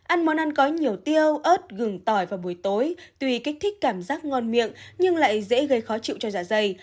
ăn món ăn có nhiều tiêu ớt gừng tỏi vào buổi tối tuy kích thích cảm giác ngon miệng nhưng lại dễ gây khó chịu cho dạ dày